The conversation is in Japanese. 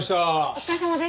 お疲れさまです。